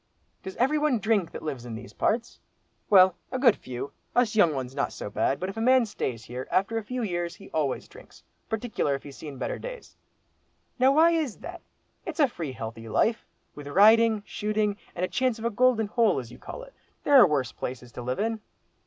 "Does every one drink that lives in these parts?" "Well, a good few. Us young ones not so bad, but if a man stays here, after a few years he always drinks, partickler if he's seen better days." "Now why is that? It's a free healthy life, with riding, shooting, and a chance of a golden hole, as you call it. There are worse places to live in."